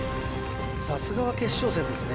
さすがは決勝戦ですね